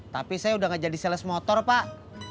tapi saya udah gak jadi sales motor pak